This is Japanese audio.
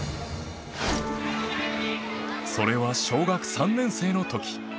それは小学３年生の時。